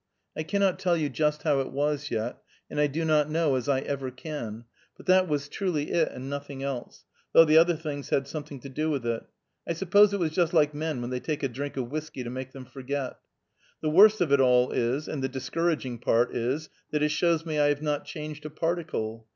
I cannot tell you just how it was, yet, and I do not know as I ever can, but that was truly it, and nothing else, though the other things had something to do with it. I suppose it was just like men when they take a drink of whiskey to make them forget. The worst of it all is, and the discouraging part is, that it shows me I have not changed a particle.